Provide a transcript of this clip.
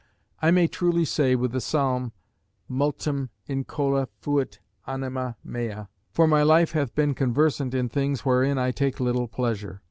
I may truly say with the psalm, Multum incola fuit anima mea, for my life hath been conversant in things wherein I take little pleasure.